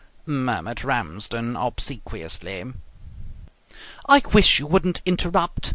murmured Ramsden obsequiously. "I wish you wouldn't interrupt!"